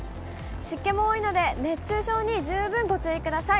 湿気も多いので、熱中症に十分ご注意ください。